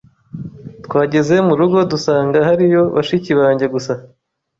Twageze mu rugo dusanga hariyo bashiki banjye gusa,